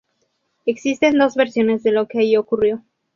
Existen dos versiones de lo que allí ocurrió.